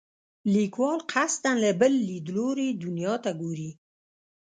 لیکوال قصدا له بل لیدلوري دنیا ته ګوري.